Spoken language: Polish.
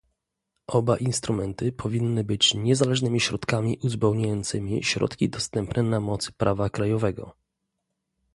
Oba instrumenty powinny być niezależnymi środkami uzupełniającymi środki dostępne na mocy prawa krajowego